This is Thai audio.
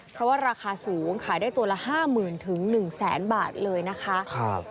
เพราะว่าราคาสูงขายได้ตัวละ๕๐๐๐๑แสนบาทเลยนะคะ